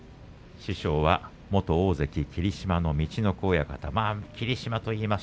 師匠は元大関の霧島の陸奥親方です。